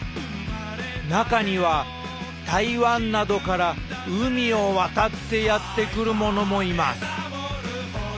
中には台湾などから海を渡ってやって来るものもいます